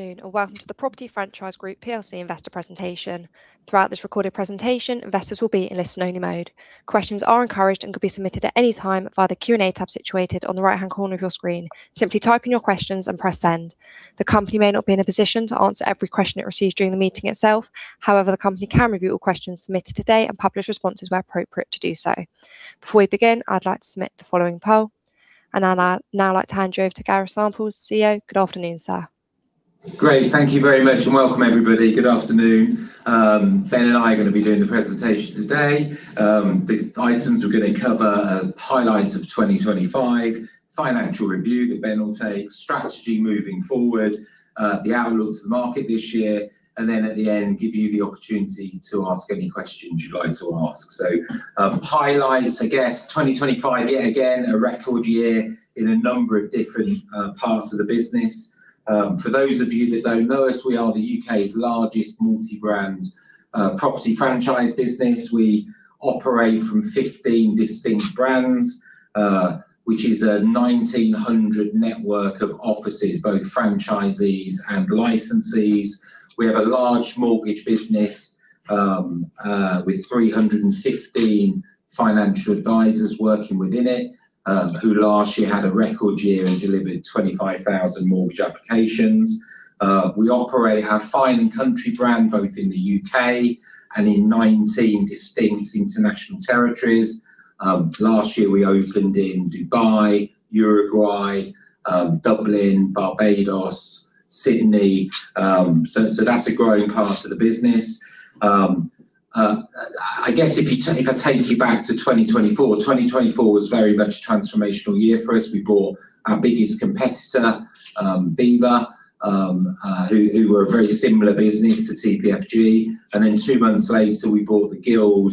Afternoon and welcome to The Property Franchise Group PLC Investor Presentation. Throughout this recorded presentation, investors will be in listen-only mode. Questions are encouraged and can be submitted at any time via the Q&A tab situated on the right-hand corner of your screen. Simply type in your questions and press Send. The company may not be in a position to answer every question it receives during the meeting itself. However, the company can review all questions submitted today and publish responses where appropriate to do so. Before we begin, I'd like to submit the following poll, and I'd now like to hand you over to Gareth Samples, CEO. Good afternoon, sir. Great. Thank you very much and welcome, everybody. Good afternoon. Ben and I are gonna be doing the presentation today. The items we're gonna cover are highlights of 2025, financial review that Ben will take, strategy moving forward, the outlook to the market this year, and then at the end give you the opportunity to ask any questions you'd like to ask. Highlights, I guess 2025 yet again, a record year in a number of different parts of the business. For those of you that don't know us, we are the UK's largest multi-brand property franchise business. We operate from 15 distinct brands, which is a 1,900 network of offices, both franchisees and licensees. We have a large mortgage business, with 315 financial advisors working within it, who last year had a record year and delivered 25,000 mortgage applications. We operate our Fine & Country brand both in the UK and in 19 distinct international territories. Last year we opened in Dubai, Uruguay, Dublin, Barbados, Sydney, so that's a growing part of the business. I guess if I take you back to 2024 was very much a transformational year for us. We bought our biggest competitor, Belvoir, who were a very similar business to TPFG, and then two months later we bought The Guild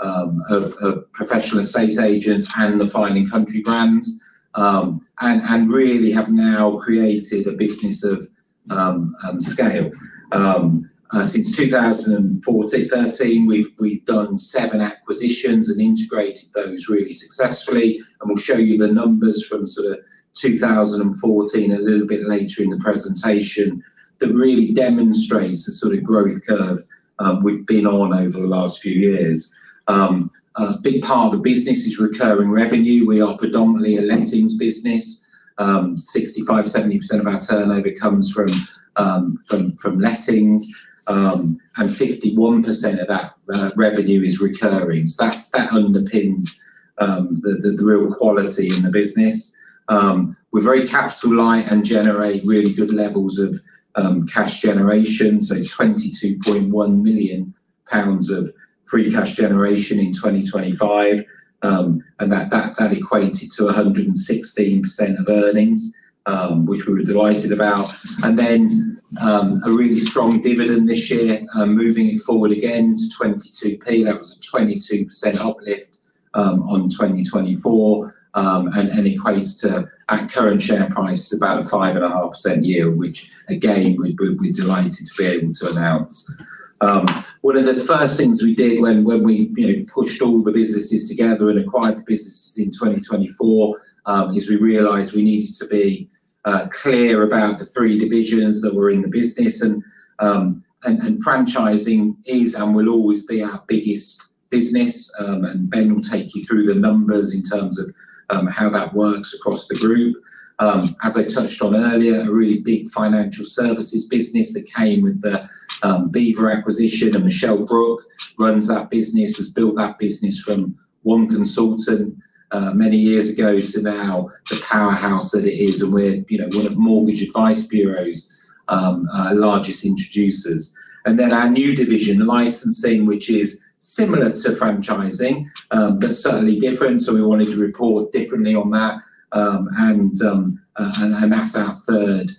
of Property Professionals and the Fine & Country brands, and really have now created a business of scale. Since 2013, we've done seven acquisitions and integrated those really successfully, and we'll show you the numbers from sort of 2014 a little bit later in the presentation that really demonstrates the sort of growth curve we've been on over the last few years. A big part of the business is recurring revenue. We are predominantly a lettings business. 65%-70% of our turnover comes from lettings, and 51% of that revenue is recurring. That underpins the real quality in the business. We're very capital light and generate really good levels of cash generation, so 22.1 million pounds of free cash generation in 2025. That equated to 116% of earnings, which we were delighted about. A really strong dividend this year, moving it forward again to 0.22. That was a 22% uplift on 2024, and equates to, at current share price, about a 5.5% yield, which again, we're delighted to be able to announce. One of the first things we did when we you know pushed all the businesses together and acquired the businesses in 2024 is we realized we needed to be clear about the three divisions that were in the business and Franchising is and will always be our biggest business. Ben will take you through the numbers in terms of how that works across the group. As I touched on earlier, a really big financial services business that came with the Belvoir acquisition and Michelle Brook runs that business, has built that business from one consultant many years ago to now the powerhouse that it is. We're, you know, one of Mortgage Advice Bureau's largest introducers. Then our new division, Licensing, which is similar to Franchising but certainly different, so we wanted to report differently on that. That's our third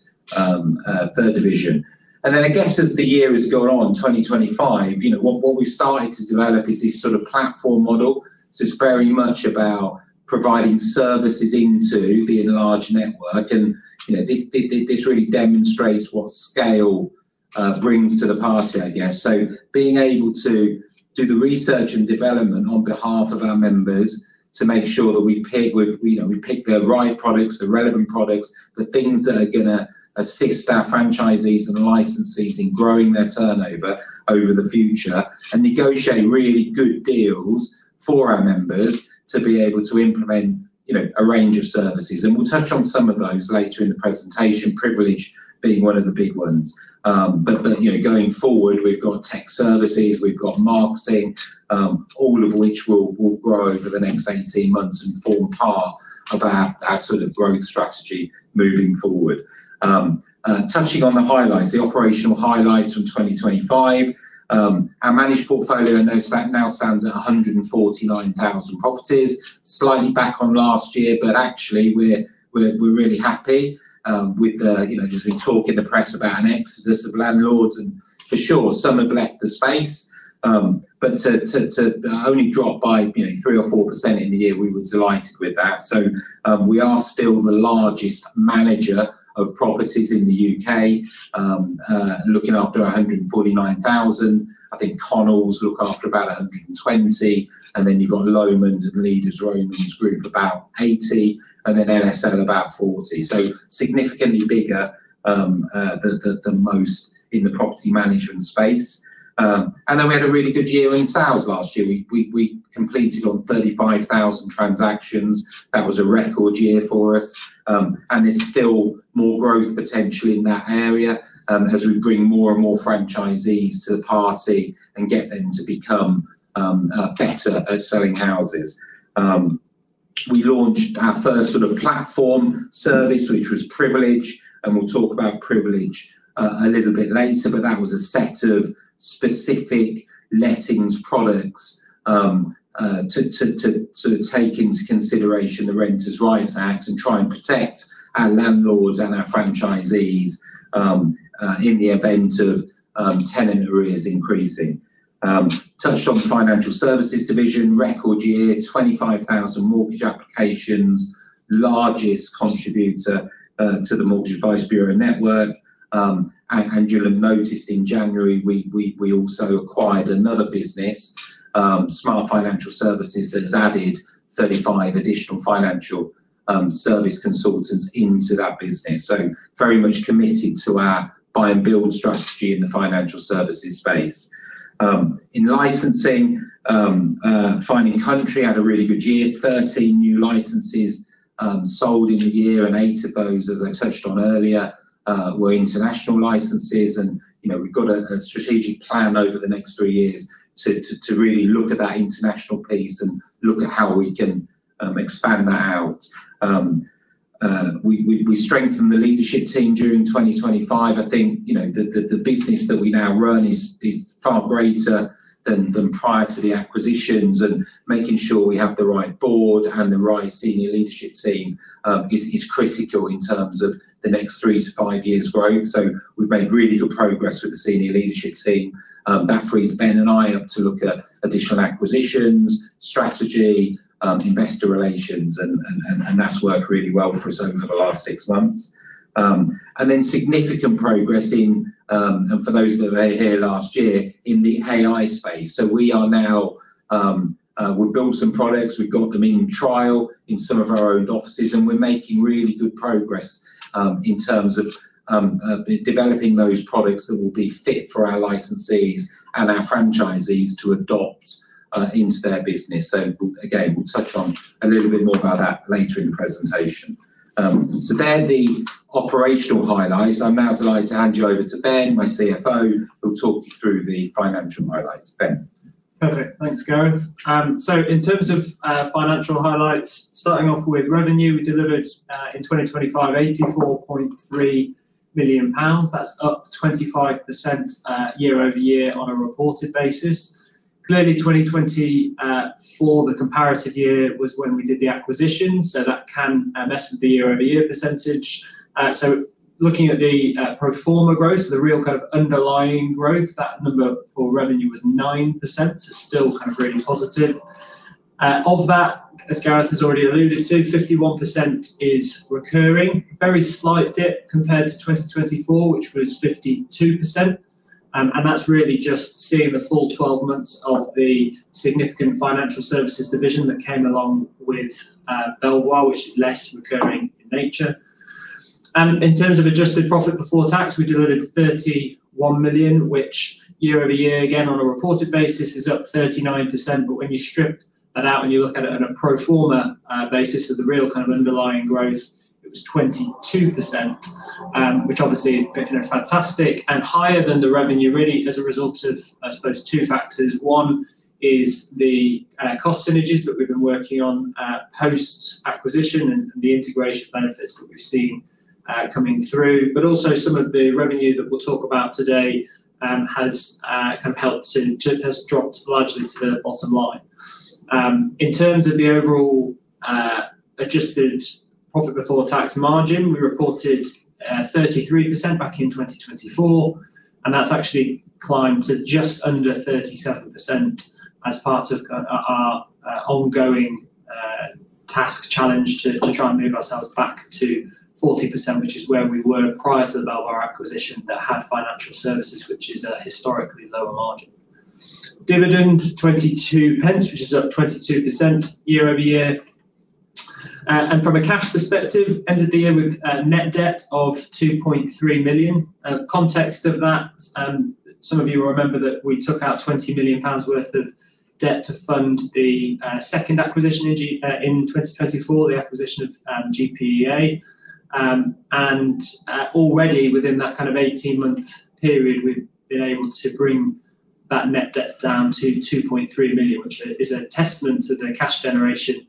division. Then I guess as the year has gone on, 2025, you know, what we've started to develop is this sort of platform model. It's very much about providing services into the enlarged network and, you know, this really demonstrates what scale brings to the party, I guess. Being able to do the research and development on behalf of our members to make sure that you know, we pick the right products, the relevant products, the things that are gonna assist our franchisees and the licensees in growing their turnover over the future and negotiate really good deals for our members to be able to implement, you know, a range of services. We'll touch on some of those later in the presentation, privilege being one of the big ones. You know, going forward, we've got tech services, we've got marketing, all of which will grow over the next 18 months and form part of our sort of growth strategy moving forward. Touching on the highlights, the operational highlights from 2025, our managed portfolio now stands at 149,000 properties. Slightly back on last year, but actually we're really happy with the, you know, there's been talk in the press about an exodus of landlords and for sure some have left the space. But to only drop by, you know, 3% or 4% in the year, we were delighted with that. We are still the largest manager of properties in the U.K., looking after 149,000. I think Connells look after about 120,000, and then you've got Lomond and Leaders Romans Group about 80,000, and then LSL about 40,000. Significantly bigger than most in the property management space. We had a really good year in sales last year. We completed on 35,000 transactions. That was a record year for us, and there's still more growth potentially in that area, as we bring more and more franchisees to the party and get them to become better at selling houses. We launched our first sort of platform service, which was Privilege, and we'll talk about Privilege a little bit later, but that was a set of specific lettings products to take into consideration the Renters' Rights Act and try and protect our landlords and our franchisees in the event of tenant arrears increasing. Touched on the Financial Services Division, record year, 25,000 mortgage applications, largest contributor to the Mortgage Advice Bureau network. You'll have noticed in January we also acquired another business, Smart Financial Solutions, that has added 35 additional financial service consultants into that business. Very much committed to our buy and build strategy in the financial services space. In licensing, Fine & Country had a really good year. 13 new licenses sold in the year, and eight of those, as I touched on earlier, were international licenses. You know, we've got a strategic plan over the next three years to really look at that international piece and look at how we can expand that out. We strengthened the leadership team during 2025. I think, you know, the business that we now run is far greater than prior to the acquisitions, and making sure we have the right board and the right senior leadership team is critical in terms of the next three to five years' growth. We've made really good progress with the senior leadership team. That frees Ben and I up to look at additional acquisitions, strategy, investor relations, and that's worked really well for us over the last six months. Significant progress, and for those that were here last year, in the AI space. We are now. We've built some products. We've got them in trial in some of our owned offices, and we're making really good progress in terms of developing those products that will be fit for our licensees and our franchisees to adopt into their business. Again, we'll touch on a little bit more about that later in the presentation. They're the operational highlights. I'm now delighted to hand you over to Ben, my CFO, who'll talk you through the financial highlights. Ben. Perfect. Thanks, Gareth. In terms of financial highlights, starting off with revenue, we delivered in 2025, 84.3 million pounds. That's up 25%, year-over-year on a reported basis. Clearly, 2024, the comparative year, was when we did the acquisition, so that can mess with the year-over-year percentage. Looking at the pro forma growth, the real kind of underlying growth, that number for revenue was 9%, still kind of really positive. Of that, as Gareth has already alluded to, 51% is recurring. Very slight dip compared to 2024, which was 52%, and that's really just seeing the full 12 months of the significant Financial Services Division that came along with Belvoir, which is less recurring in nature. In terms of adjusted profit before tax, we delivered 31 million, which year-over-year, again, on a reported basis, is up 39%. When you strip that out, when you look at it on a pro forma basis, so the real kind of underlying growth, it was 22%, which obviously is, you know, fantastic and higher than the revenue really as a result of, I suppose, two factors. One is the cost synergies that we've been working on post-acquisition and the integration benefits that we've seen coming through. Also some of the revenue that we'll talk about today has dropped largely to the bottom line. In terms of the overall adjusted profit before tax margin, we reported 33% back in 2024, and that's actually climbed to just under 37% as part of our ongoing task challenge to try and move ourselves back to 40%, which is where we were prior to the Belvoir acquisition that had financial services, which is a historically lower margin. Dividend, 0.22, which is up 22% year-over-year. From a cash perspective, ended the year with net debt of 2.3 million. Context of that, some of you will remember that we took out 20 million pounds worth of debt to fund the second acquisition in 2024, the acquisition of GPEA. Already within that kind of 18-month period, we've been able to bring that net debt down to 2.3 million, which is a testament to the cash generation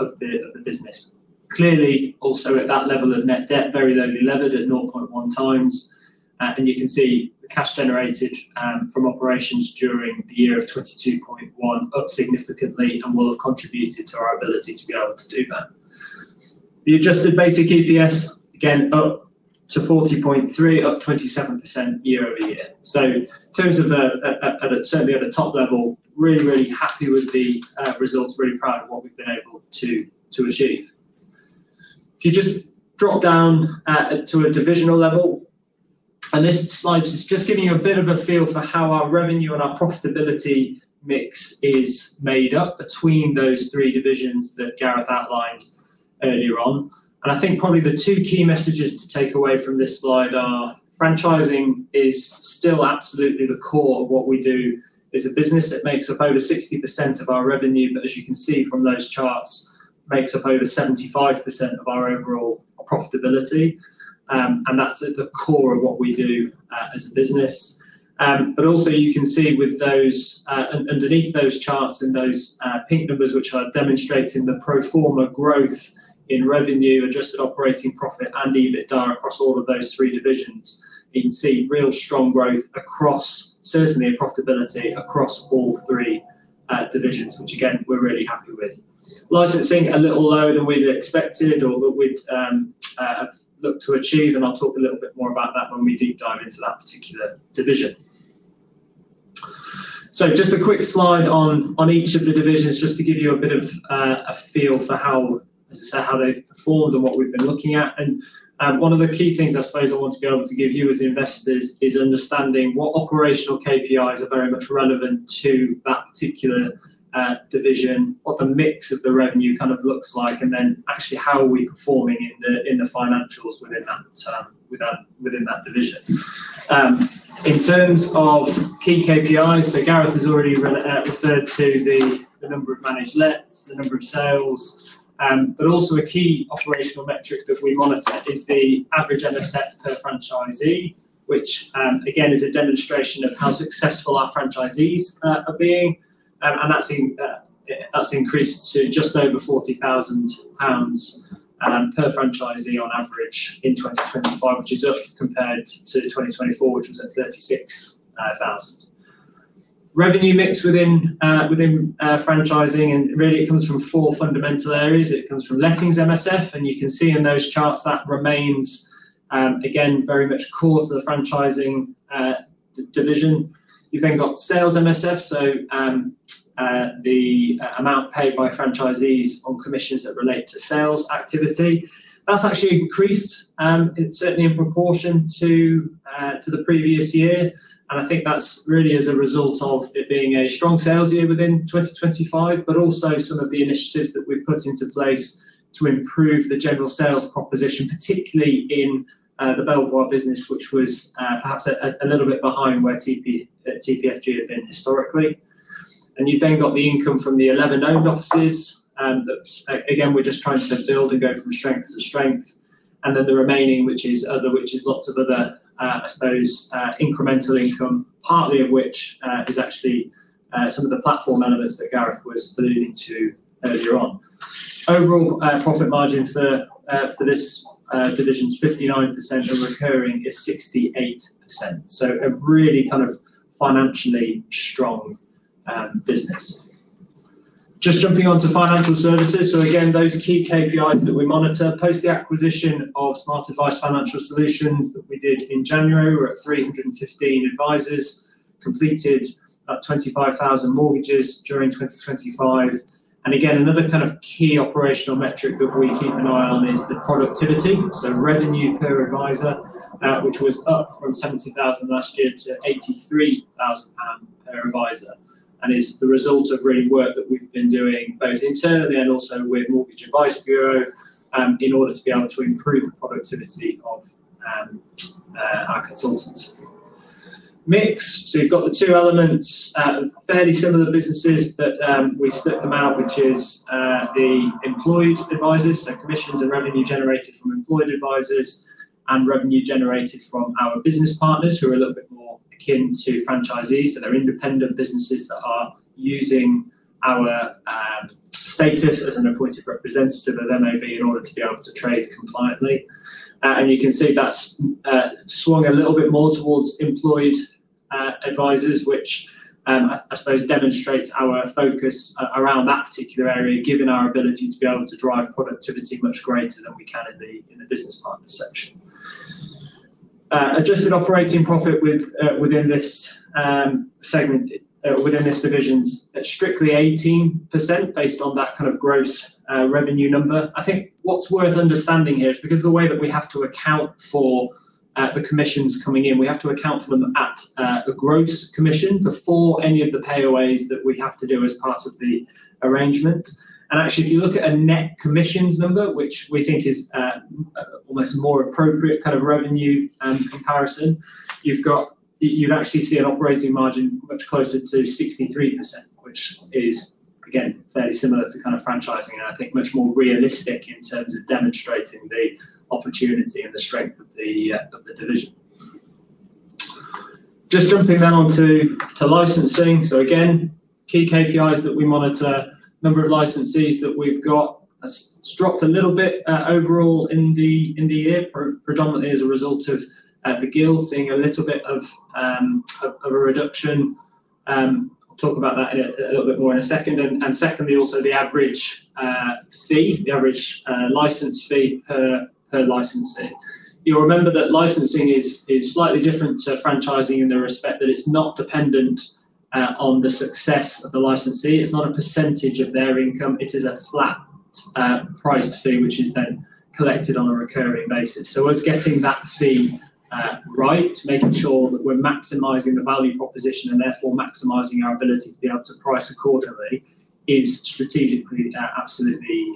of the business. Clearly, also at that level of net debt, very lowly levered at 0.1x. And you can see the cash generated from operations during the year of 22.1 million up significantly and will have contributed to our ability to be able to do that. The adjusted basic EPS, again, up to 40.3, up 27% year-over-year. In terms of, at, certainly at the top level, really, really happy with the results. Really proud of what we've been able to achieve. If you just drop down to a divisional level, and this slide is just giving you a bit of a feel for how our revenue and our profitability mix is made up between those three divisions that Gareth outlined earlier on. I think probably the two key messages to take away from this slide are franchising is still absolutely the core of what we do as a business. It makes up over 60% of our revenue, but as you can see from those charts, makes up over 75% of our overall profitability. That's at the core of what we do as a business. Also you can see with those underneath those charts in those pink numbers which are demonstrating the pro forma growth in revenue, adjusted operating profit and EBITDA across all of those three divisions. You can see real strong growth across, certainly in profitability, across all three divisions, which again, we're really happy with. Licensing, a little lower than we'd expected or that we'd have looked to achieve, and I'll talk a little bit more about that when we deep dive into that particular division. Just a quick slide on each of the divisions just to give you a bit of a feel for how, as I say, how they've performed and what we've been looking at. One of the key things I suppose I want to be able to give you as investors is understanding what operational KPIs are very much relevant to that particular division, what the mix of the revenue kind of looks like, and then actually how are we performing in the financials within that division. In terms of key KPIs, Gareth has already referred to the number of managed lets, the number of sales. A key operational metric that we monitor is the average MSF per franchisee, which again is a demonstration of how successful our franchisees are being. That's increased to just over 40,000 pounds per franchisee on average in 2025, which is up compared to 2024, which was at 36,000. Revenue mix within franchising, and really it comes from four fundamental areas. It comes from lettings MSF, and you can see in those charts that remains very much core to the Franchising Division. You've then got sales MSF, so the amount paid by franchisees on commissions that relate to sales activity. That's actually increased, certainly in proportion to the previous year. I think that's really as a result of it being a strong sales year within 2025, but also some of the initiatives that we've put into place to improve the general sales proposition, particularly in the Belvoir business, which was perhaps a little bit behind where TPFG had been historically. You've then got the income from the 11 owned offices that again, we're just trying to build and go from strength to strength. The remaining, which is other, which is lots of other, I suppose, incremental income, partly of which is actually some of the platform elements that Gareth was alluding to earlier on. Overall, profit margin for this division is 59% and recurring is 68%. A really kind of financially strong business. Just jumping onto financial services. Again, those key KPIs that we monitor post the acquisition of Smart Advice Financial Solutions that we did in January. We're at 315 advisors, completed about 25,000 mortgages during 2025. Again, another kind of key operational metric that we keep an eye on is the productivity. Revenue per advisor, which was up from 70,000 last year to 83,000 pound per advisor, and is the result of real work that we've been doing both internally and also with Mortgage Advice Bureau, in order to be able to improve the productivity of our consultant mix. You've got the two elements, fairly similar businesses, but we split them out, which is the employed advisors. Commissions and revenue generated from employed advisors and revenue generated from our business partners who are a little bit more akin to franchisees. They're independent businesses that are using our status as an appointed representative of MAB in order to be able to trade compliantly. You can see that's swung a little bit more towards employed advisors, which I suppose demonstrates our focus around that particular area, given our ability to be able to drive productivity much greater than we can in the business partners section. Adjusted operating profit within this segment within this division's at strictly 18% based on that kind of gross revenue number. I think what's worth understanding here is because the way that we have to account for the commissions coming in, we have to account for them at a gross commission before any of the payaways that we have to do as part of the arrangement. Actually, if you look at a net commissions number, which we think is almost a more appropriate kind of revenue comparison, you'd actually see an operating margin much closer to 63%, which is again fairly similar to kind of franchising and I think much more realistic in terms of demonstrating the opportunity and the strength of the division. Just jumping onto Licensing. Key KPIs that we monitor, number of licensees that we've got has dropped a little bit overall in the year, predominantly as a result of The Guild seeing a little bit of a reduction. I'll talk about that in a little bit more in a second. Secondly, also the average fee, the average license fee per licensee. You'll remember that Licensing is slightly different to Franchising in the respect that it's not dependent on the success of the licensee. It's not a percentage of their income, it is a flat priced fee which is then collected on a recurring basis. Us getting that fee right, making sure that we're maximizing the value proposition and therefore maximizing our ability to be able to price accordingly is strategically absolutely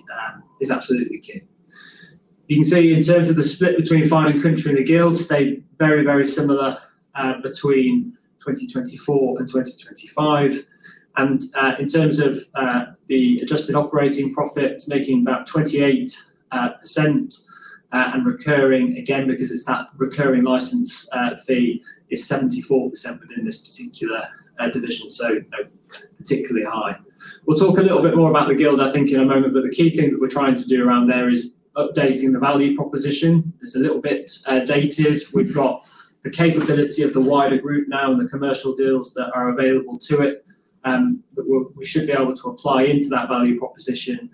is absolutely key. You can see in terms of the split between Fine & Country and The Guild, stayed very, very similar between 2024 and 2025. In terms of the adjusted operating profit making about 28%, and recurring again because it's that recurring license fee is 74% within this particular division, so particularly high. We'll talk a little bit more about The Guild, I think in a moment, but the key thing that we're trying to do around there is updating the value proposition. It's a little bit dated. We've got the capability of the wider group now and the commercial deals that are available to it, that we should be able to apply into that value proposition,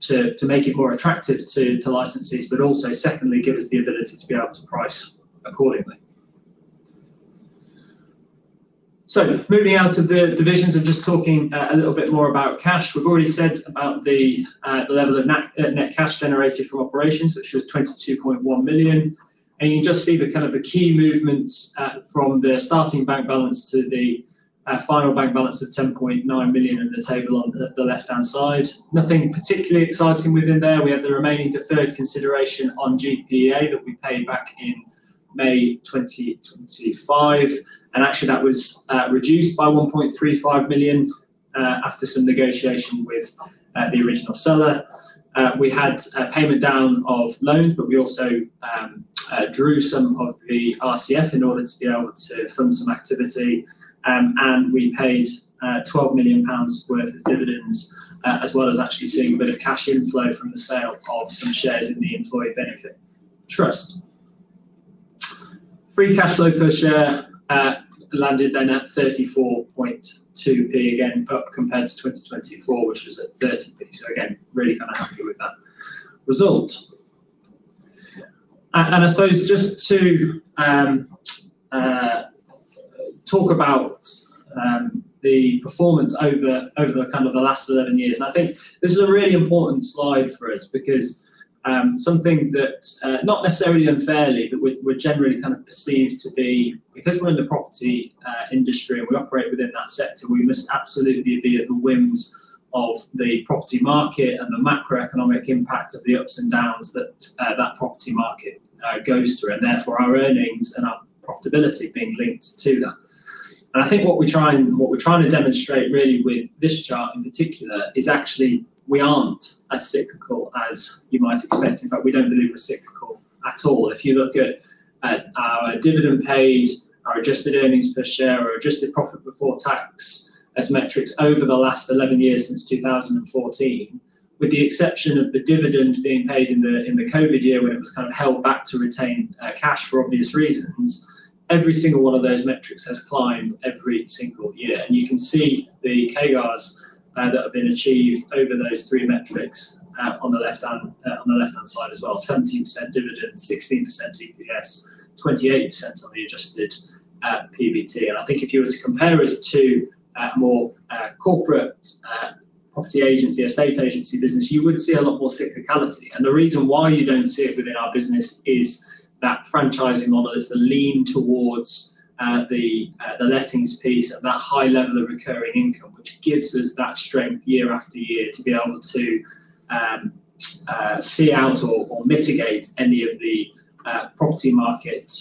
to make it more attractive to licensees, but also secondly, give us the ability to be able to price accordingly. Moving out of the divisions and just talking a little bit more about cash. We've already said about the level of net cash generated from operations, which was 22.1 million. You can just see the key movements from the starting bank balance to the final bank balance of 10.9 million in the table on the left-hand side. Nothing particularly exciting within there. We had the remaining deferred consideration on GPEA that we paid back in May 2025. Actually that was reduced by 1.35 million after some negotiation with the original seller. We had a payment down of loans, but we also drew some of the RCF in order to be able to fund some activity. We paid 12 million pounds worth of dividends, as well as actually seeing a bit of cash inflow from the sale of some shares in the employee benefit trust. Free cash flow per share landed then at 34.2p again, up compared to 2024, which was at 30p. Again, really kind of happy with that result. I suppose just to talk about the performance over the kind of the last 11 years. I think this is a really important slide for us because something that not necessarily unfairly, but we're generally kind of perceived to be because we're in the property industry and we operate within that sector, we must absolutely be at the whims of the property market and the macroeconomic impact of the ups and downs that that property market goes through, and therefore our earnings and our profitability being linked to that. I think what we're trying to demonstrate really with this chart in particular is actually we aren't as cyclical as you might expect. In fact, we don't believe we're cyclical at all. If you look at our dividend paid, our adjusted earnings per share, our adjusted profit before tax as metrics over the last 11 years since 2014, with the exception of the dividend being paid in the COVID year when it was kind of held back to retain cash for obvious reasons, every single one of those metrics has climbed every single year. You can see the CAGRs that have been achieved over those three metrics on the left-hand side as well. 17% dividend, 16% EPS, 28% on the adjusted PBT. I think if you were to compare us to a more corporate property agency, estate agency business, you would see a lot more cyclicality. The reason why you don't see it within our business is that franchising model. It's the lean towards the lettings piece and that high level of recurring income, which gives us that strength year after year to be able to see out or mitigate any of the property market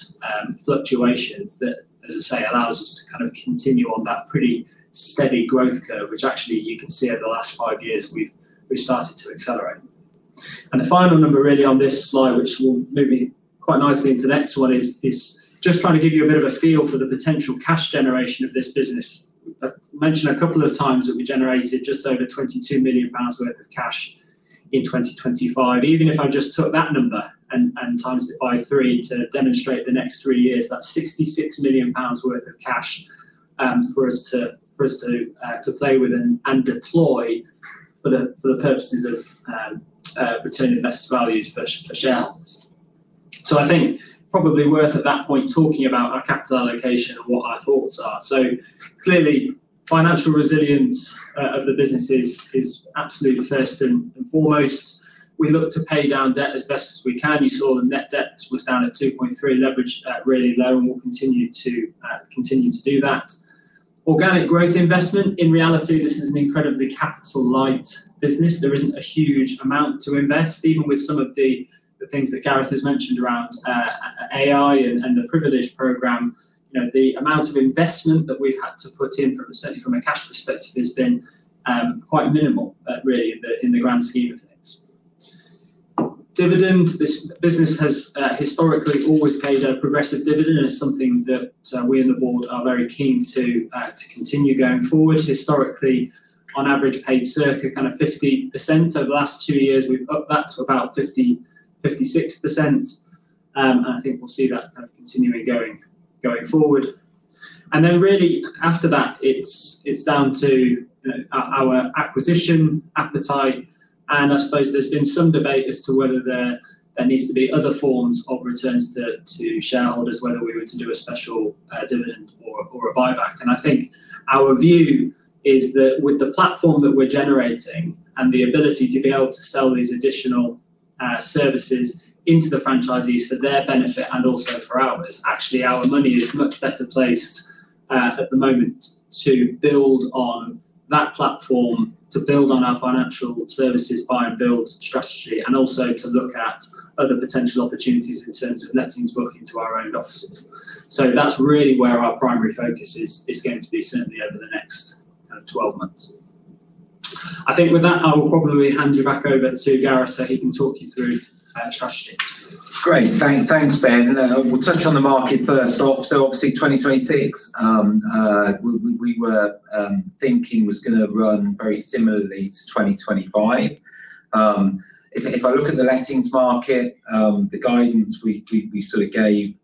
fluctuations that, as I say, allows us to kind of continue on that pretty steady growth curve, which actually you can see over the last five years we've started to accelerate. The final number really on this slide, which will move me quite nicely into the next one, is just trying to give you a bit of a feel for the potential cash generation of this business. I've mentioned a couple of times that we generated just over 22 million pounds worth of cash in 2025. Even if I just took that number and times it by three to demonstrate the next three years, that's 66 million pounds worth of cash for us to play with and deploy for the purposes of returning best value to shareholders. I think probably worth at that point talking about our capital allocation and what our thoughts are. Clearly, financial resilience of the business is absolutely first and foremost. We look to pay down debt as best as we can. You saw the net debt was down at 2.3 million, leverage at really low, and we'll continue to do that. Organic growth investment. In reality, this is an incredibly capital-light business. There isn't a huge amount to invest. Even with some of the things that Gareth has mentioned around AI and the Privilege programme, you know, the amount of investment that we've had to put in from, certainly from a cash perspective, has been quite minimal, really in the grand scheme of things. Dividend. This business has historically always paid a progressive dividend, and it's something that we in the board are very keen to continue going forward. Historically, on average, paid circa kind of 50%. Over the last two years, we've upped that to about 50%-56%. I think we'll see that kind of continuing going forward. Really after that, it's down to our acquisition appetite. I suppose there's been some debate as to whether there needs to be other forms of returns to shareholders, whether we were to do a special dividend or a buyback. I think our view is that with the platform that we're generating and the ability to be able to sell these additional services into the franchisees for their benefit and also for ours. Actually our money is much better placed at the moment to build on that platform, to build on our financial services buy and build strategy, and also to look at other potential opportunities in terms of lettings booking to our own offices. That's really where our primary focus is going to be certainly over the next kind of 12 months. I think with that, I will probably hand you back over to Gareth so he can talk you through our strategy. Great. Thanks, Ben. We'll touch on the market first off. Obviously 2026 we were thinking was gonna run very similarly to 2025. If I look at the lettings market, the guidance we sort of gave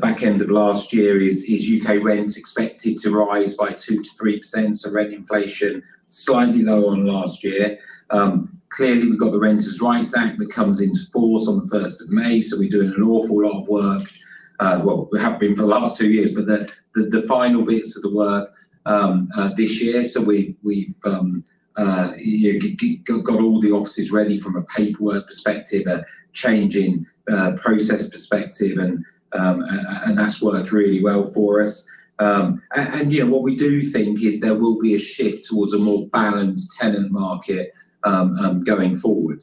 back end of last year is UK rent expected to rise by 2%-3%. Rent inflation slightly lower than last year. Clearly we've got the Renters' Rights Act that comes into force on the first of May, so we're doing an awful lot of work. Well, we have been for the last two years, but the final bits of the work this year. We've got all the offices ready from a paperwork perspective, a changing process perspective, and that's worked really well for us. Yeah, what we do think is there will be a shift towards a more balanced tenant market going forward.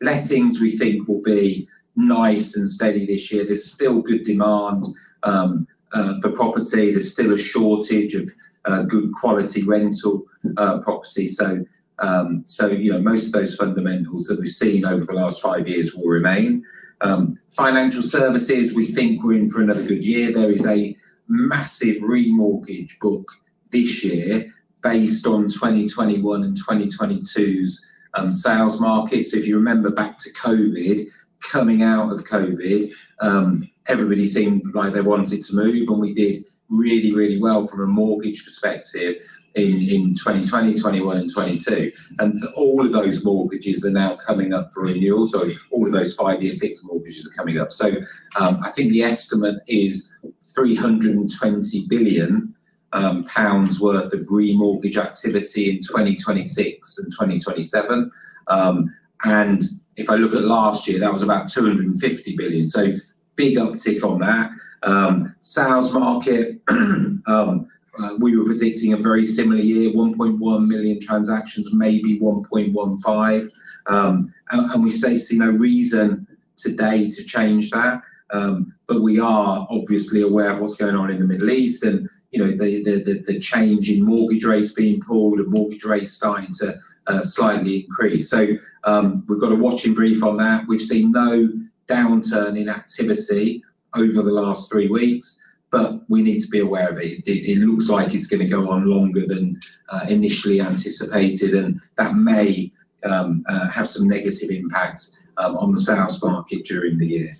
Lettings we think will be nice and steady this year. There's still good demand for property. There's still a shortage of good quality rental property. You know, most of those fundamentals that we've seen over the last five years will remain. Financial services, we think we're in for another good year. There is a massive remortgage book this year based on 2021 and 2022's sales market. If you remember back to COVID, coming out of COVID, everybody seemed like they wanted to move, and we did really, really well from a mortgage perspective in 2020, 2021 and 2022. All of those mortgages are now coming up for renewal. All of those five-year fixed mortgages are coming up. I think the estimate is 320 billion pounds worth of remortgage activity in 2026 and 2027. If I look at last year, that was about 250 billion. Big uptick on that. Sales market, we were predicting a very similar year, 1.1 million transactions, maybe 1.15 million. And we see no reason today to change that. We are obviously aware of what's going on in the Middle East and, you know, the change in mortgage rates being pulled and mortgage rates starting to slightly increase. We've got a watching brief on that. We've seen no downturn in activity over the last three weeks, but we need to be aware of it. It looks like it's gonna go on longer than initially anticipated, and that may have some negative impacts on the sales market during the year.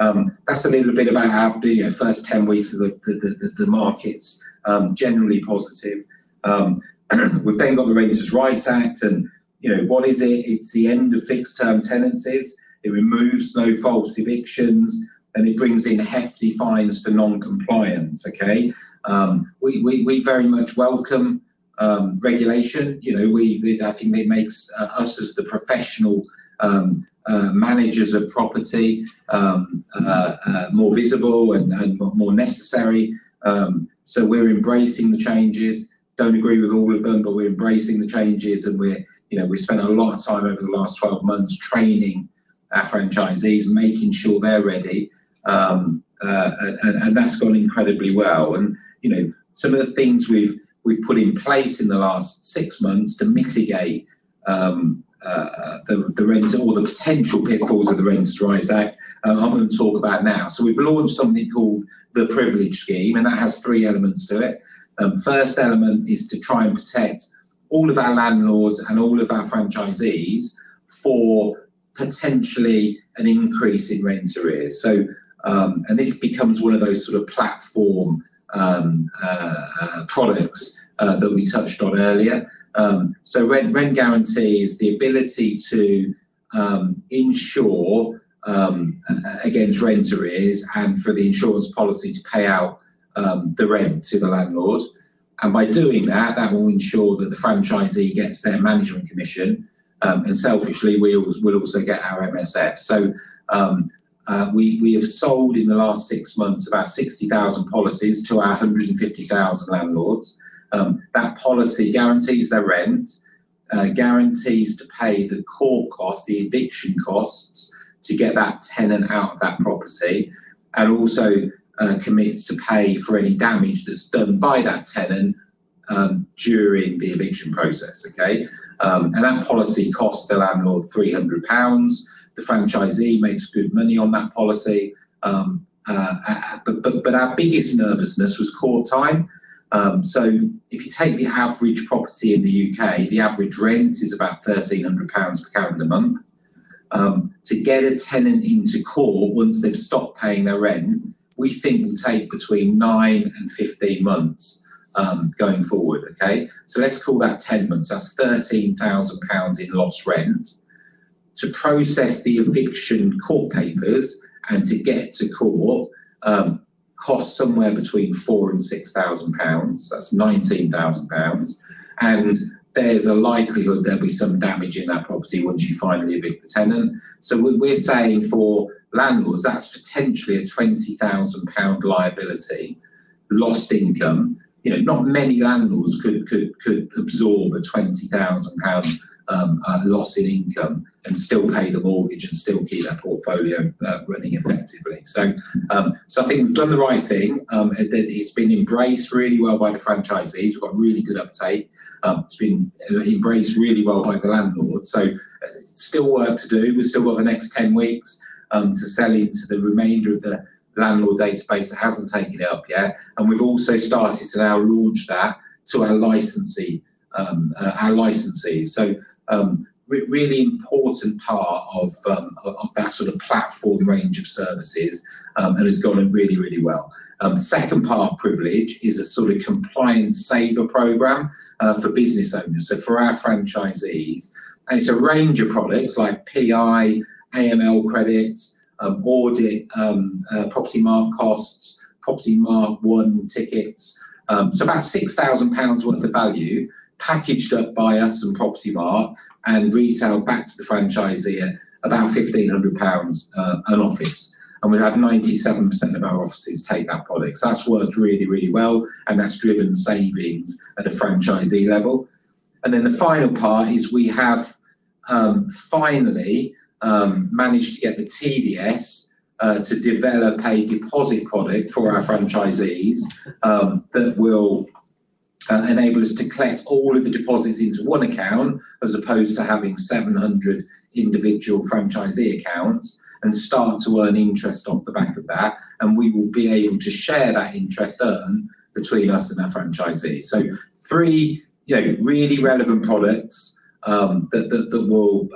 That's a little bit about how the, you know, first 10 weeks of the market's generally positive. We've then got the Renters' Rights Act and, you know, what is it? It's the end of fixed term tenancies. It removes no-fault evictions, and it brings in hefty fines for non-compliance. Okay? We very much welcome regulation. You know, I think it makes us as the professionals more visible and more necessary. We're embracing the changes. Don't agree with all of them, but we're embracing the changes and, you know, we spent a lot of time over the last 12 months training our franchisees, making sure they're ready. That's gone incredibly well. You know, some of the things we've put in place in the last six months to mitigate the renter or the potential pitfalls of the Renters' Rights Act, I'm gonna talk about now. We've launched something called the Privilege programme, and that has three elements to it. First element is to try and protect all of our landlords and all of our franchisees from potentially an increase in rent arrears. This becomes one of those sort of platform products that we touched on earlier. Rent guarantees the ability to insure against rent arrears and for the insurance policy to pay out the rent to the landlord. By doing that will ensure that the franchisee gets their management commission, and selfishly, we'll also get our MSF. We have sold in the last six months about 60,000 policies to our 150,000 landlords. That policy guarantees their rent, guarantees to pay the core cost, the eviction costs to get that tenant out of that property, and also, commits to pay for any damage that's done by that tenant, during the eviction process. Okay? That policy costs the landlord 300 pounds. The franchisee makes good money on that policy. But our biggest nervousness was court time. If you take the average property in the UK, the average rent is about 1,300 pounds per calendar month. To get a tenant into court once they've stopped paying their rent, we think will take between nine and 15 months, going forward. Okay? Let's call that 10 months, that's 13,000 pounds in lost rent. To process the eviction court papers and to get to court, costs somewhere between 4,000 and 6,000 pounds, that's 19,000 pounds, and there's a likelihood there'll be some damage in that property once you finally evict the tenant. We're saying for landlords, that's potentially a 20,000 pound liability lost income. You know, not many landlords could absorb a 20,000 pound loss in income and still pay the mortgage and still keep their portfolio running effectively. I think we've done the right thing, and it's been embraced really well by the franchisees. We've got really good uptake. It's been embraced really well by the landlords. Still work to do. We've still got the next 10 weeks to sell into the remainder of the landlord database that hasn't taken it up yet. We've also started to now launch that to our licensees. Really important part of that sort of platform range of services, and has gone really well. Second part of Privilege is a sort of compliance saver program for business owners, so for our franchisees, and it's a range of products like PI, AML credits, audit, Propertymark costs, Propertymark One tickets, so about 6,000 pounds worth of value packaged up by us and Propertymark and retailed back to the franchisee at about 1,500 pounds an office. We've had 97% of our offices take that product. That's worked really, really well, and that's driven savings at a franchisee level. Then the final part is we have finally managed to get the TDS to develop a deposit product for our franchisees that will enable us to collect all of the deposits into one account as opposed to having 700 individual franchisee accounts and start to earn interest off the back of that, and we will be able to share that interest earned between us and our franchisees. Three, you know, really relevant products that will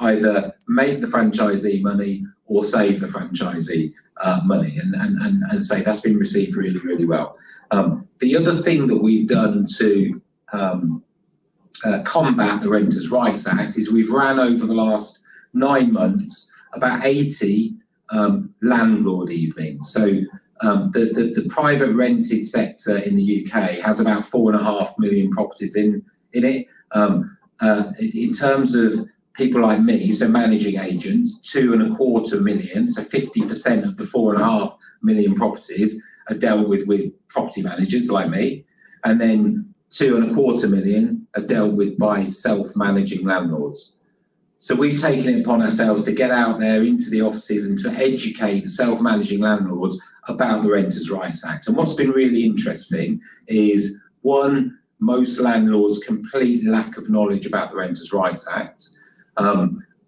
either make the franchisee money or save the franchisee money and as I say, that's been received really, really well. The other thing that we've done to combat the Renters' Rights Act is we've ran over the last nine months about 80 landlord evenings. The private rented sector in the UK has about 4.5 million properties in it. In terms of people like me, so managing agents, 2.25 million, so 50% of the 4.5 million properties are dealt with property managers like me. Then two and a quarter million are dealt with by self-managing landlords. We've taken it upon ourselves to get out there into the offices and to educate self-managing landlords about the Renters' Rights Act. What's been really interesting is, one, most landlords' complete lack of knowledge about the Renters' Rights Act.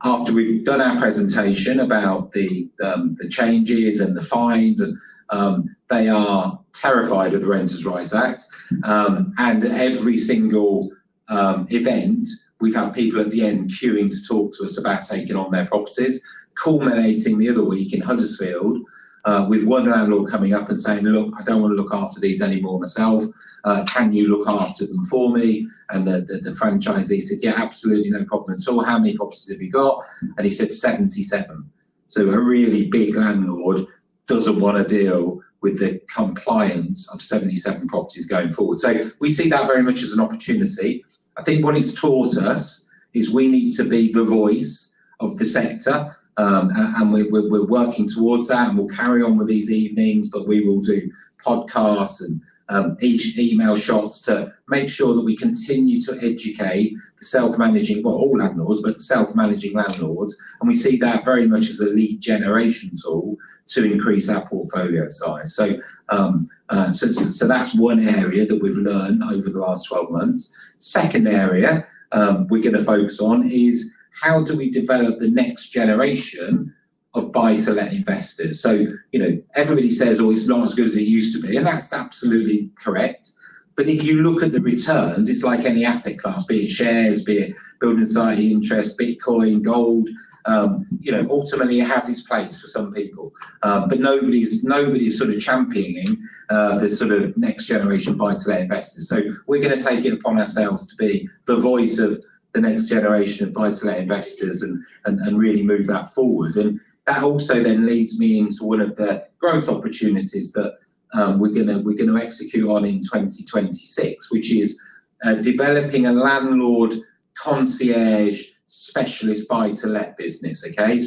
After we've done our presentation about the changes and the fines and they are terrified of the Renters' Rights Act. Every single event we've had people at the end queuing to talk to us about taking on their properties, culminating the other week in Huddersfield with one landlord coming up and saying, "Look, I don't want to look after these anymore myself. Can you look after them for me?" The franchisee said, "Yeah, absolutely. No problem at all. How many properties have you got?" He said 77. A really big landlord doesn't wanna deal with the compliance of 77 properties going forward. We see that very much as an opportunity. I think what it's taught us is we need to be the voice of the sector, and we're working towards that, and we'll carry on with these evenings, but we will do podcasts and email shots to make sure that we continue to educate the self-managing well, all landlords, but self-managing landlords, and we see that very much as a lead generation tool to increase our portfolio size. That's one area that we've learned over the last 12 months. Second area, we're gonna focus on is how do we develop the next generation of buy-to-let investors. You know, everybody says, "Oh, it's not as good as it used to be," and that's absolutely correct. If you look at the returns, it's like any asset class, be it shares, be it building society interest, Bitcoin, gold, you know, ultimately, it has its place for some people. Nobody's sort of championing the sort of next generation buy-to-let investors. We're gonna take it upon ourselves to be the voice of the next generation of buy-to-let investors and really move that forward. That also then leads me into one of the growth opportunities that we're gonna execute on in 2026, which is developing a landlord concierge specialist buy-to-let business. Okay.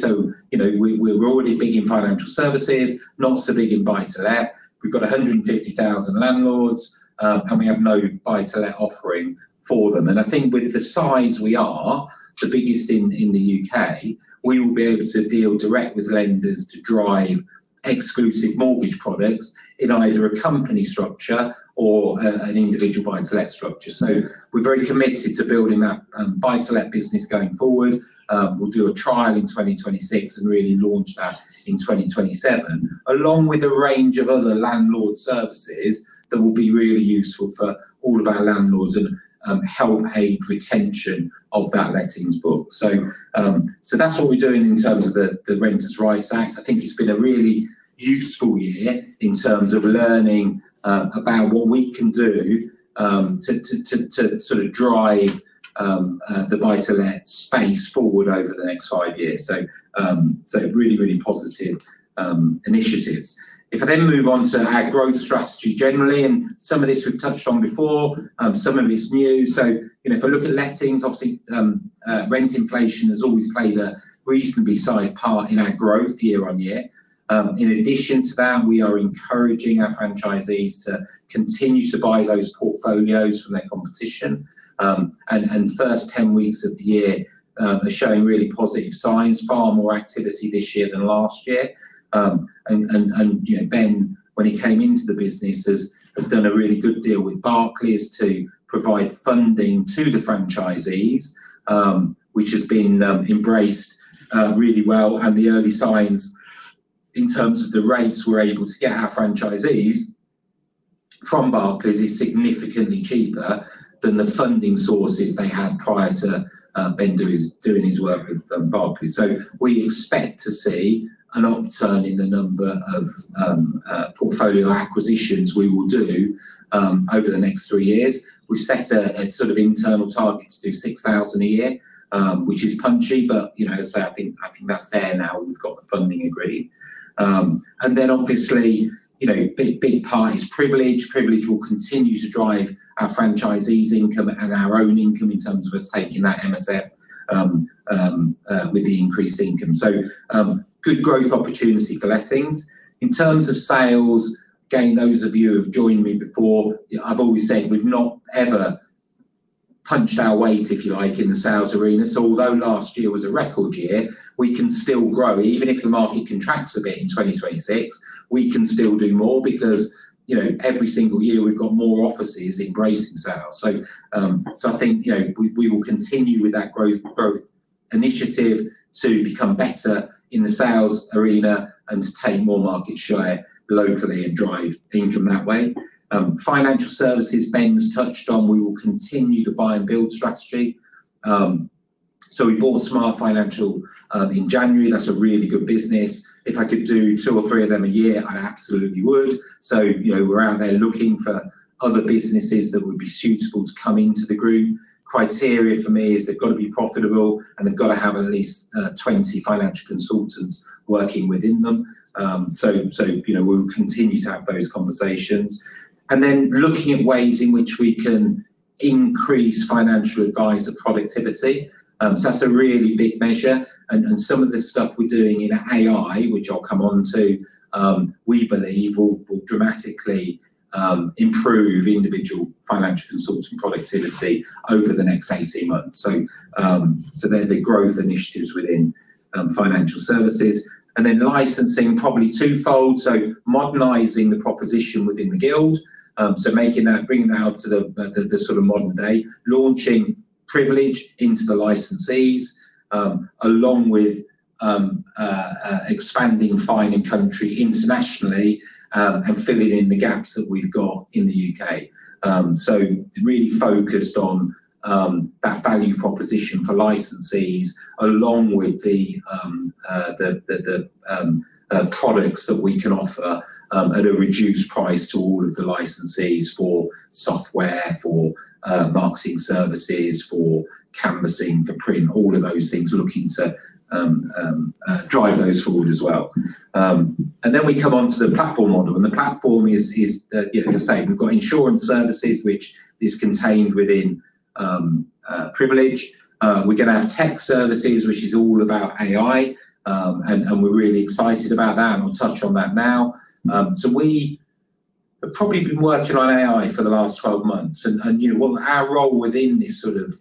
You know, we're already big in financial services, not so big in buy-to-let. We've got 150,000 landlords, and we have no buy-to-let offering for them. I think with the size we are, the biggest in the UK, we will be able to deal direct with lenders to drive exclusive mortgage products in either a company structure or an individual buy-to-let structure. We're very committed to building that buy-to-let business going forward. We'll do a trial in 2026 and really launch that in 2027, along with a range of other landlord services that will be really useful for all of our landlords and help aid retention of that lettings book. That's what we're doing in terms of the Renters' Rights Act. I think it's been a really useful year in terms of learning about what we can do to sort of drive the buy-to-let space forward over the next five years. Really positive initiatives. If I then move on to our growth strategy generally, and some of this we've touched on before, some of it's new. You know, if I look at lettings, obviously, rent inflation has always played a reasonably sized part in our growth year-on-year. In addition to that, we are encouraging our franchisees to continue to buy those portfolios from their competition. You know, Ben, when he came into the business, has done a really good deal with Barclays to provide funding to the franchisees, which has been embraced really well. The early signs in terms of the rates we're able to get our franchisees from Barclays is significantly cheaper than the funding sources they had prior to Ben doing his work with Barclays. We expect to see an upturn in the number of portfolio acquisitions we will do over the next three years. We've set a sort of internal target to do 6,000 a year, which is punchy, but you know, as I say, I think that's there now we've got the funding agreed. Obviously, you know, big part is Privilege. Privilege will continue to drive our franchisees' income and our own income in terms of us taking that MSF with the increased income. Good growth opportunity for lettings. In terms of sales, again, those of you who have joined me before, you know, I've always said we've not ever punched our weight, if you like, in the sales arena. Although last year was a record year, we can still grow. Even if the market contracts a bit in 2026, we can still do more because, you know, every single year we've got more offices embracing sales. I think, you know, we will continue with that growth initiative to become better in the sales arena and to take more market share locally and drive the income that way. Financial services, Ben's touched on, we will continue the buy and build strategy. We bought Smart Financial in January. That's a really good business. If I could do two or three of them a year, I absolutely would. You know, we're out there looking for other businesses that would be suitable to come into the group. Criteria for me is they've got to be profitable, and they've got to have at least 20 financial consultants working within them. You know, we'll continue to have those conversations. Then looking at ways in which we can increase financial advisor productivity. That's a really big measure. And some of the stuff we're doing in AI, which I'll come on to, we believe will dramatically improve individual financial consultant productivity over the next 18 months. They're the growth initiatives within Financial Services. Then Licensing, probably twofold. Modernizing the proposition within The Guild, making that, bringing that up to the sort of modern day. Launching Privilege into the licensees, along with expanding Fine & Country internationally, and filling in the gaps that we've got in the UK. Really focused on that value proposition for licensees along with the products that we can offer at a reduced price to all of the licensees for software, for marketing services, for canvassing, for print, all of those things. Looking to drive those forward as well. We come onto the platform model, and the platform is, you know, as I say, we've got insurance services which is contained within Privilege. We're gonna have tech services, which is all about AI, and we're really excited about that, and we'll touch on that now. We have probably been working on AI for the last 12 months and you know what our role within this sort of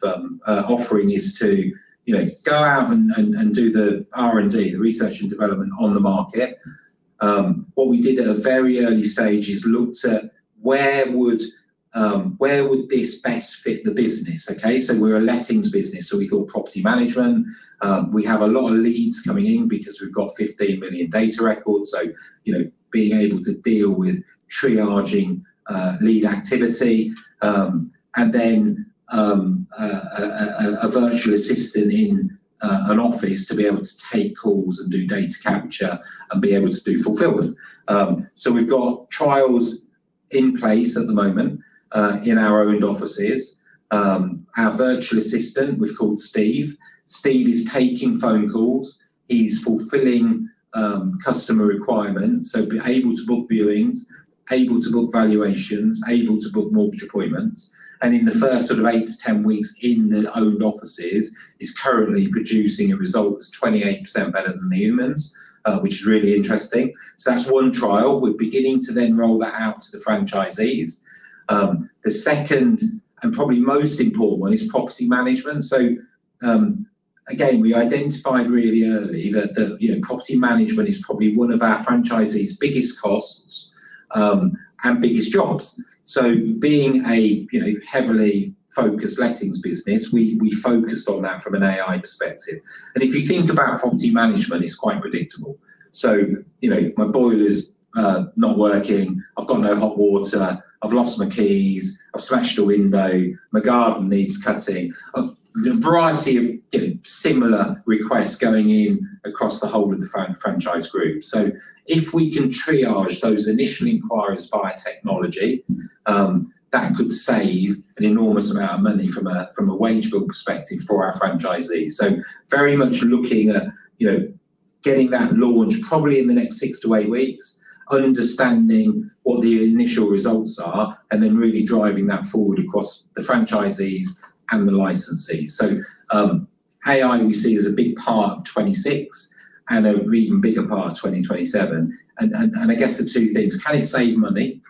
offering is to you know go out and do the R&D, the research and development on the market. What we did at a very early stage is looked at where this best fit the business, okay. We're a lettings business, so we thought property management. We have a lot of leads coming in because we've got 15 million data records, so you know being able to deal with triaging lead activity. Then a virtual assistant in an office to be able to take calls and do data capture and be able to do fulfillment. We've got trials in place at the moment, in our owned offices. Our virtual assistant we've called Steve. Steve is taking phone calls. He's fulfilling customer requirements, so be able to book viewings, able to book valuations, able to book mortgage appointments. In the first sort of eight to 10 weeks in the owned offices, he's currently producing a result that's 28% better than the humans, which is really interesting. That's one trial. We're beginning to then roll that out to the franchisees. The second and probably most important one is property management. Again, we identified really early that the, you know, property management is probably one of our franchisees' biggest costs, and biggest jobs. Being a, you know, heavily focused lettings business, we focused on that from an AI perspective. If you think about property management, it's quite predictable. You know, my boiler's not working. I've got no hot water. I've lost my keys. I've smashed a window. My garden needs cutting. A variety of, you know, similar requests going in across the whole of the franchise group. If we can triage those initial inquiries via technology, that could save an enormous amount of money from a wage bill perspective for our franchisees. Very much looking at, you know, getting that launch probably in the next six to eight weeks, understanding what the initial results are, and then really driving that forward across the franchisees and the licensees. AI we see as a big part of 2026 and an even bigger part of 2027. I guess the two things, can it save money?